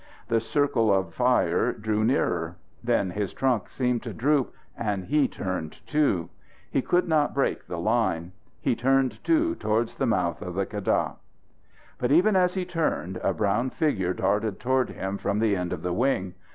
The circle of fire drew nearer. Then his trunk seemed to droop, and he turned, too. He could not break the line. He turned, too, toward the mouth of the keddah. But even as he turned, a brown figure darted toward him from the end of the wing.